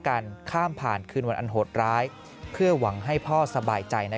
การข้ามผ่านคืนวันอันโหดร้ายเพื่อหวังให้พ่อสบายใจ